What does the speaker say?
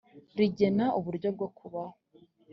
rigena uburyo bwo kubaho